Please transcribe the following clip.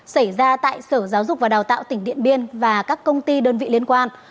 xảy ra tại sở giáo dục và đào tạo tỉnh điện biên và các công ty đơn vị liên quan